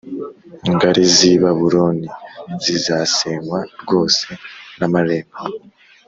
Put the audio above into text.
Ngari zi babuloni zizasenywa rwose n amarembo